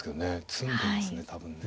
詰んでますね多分ね。